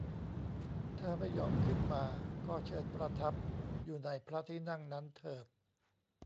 ถ้าไม่ยอมขึ้นมาก็เชิญประทับอยู่ในพระที่นั่งนั้นเถิด